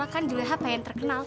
soalnya kan juleha pengen terkenal